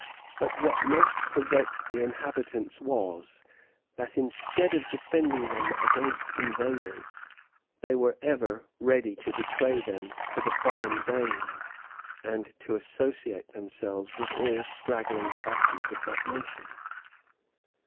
But what most provoked the inhabitants was, that instead of defending them against invaders, they were ever ready to betray them to the foreign Danes, and to associate themselves with all straggling parties of that nation.